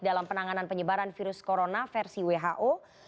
dalam penanganan penyebaran virus corona versi who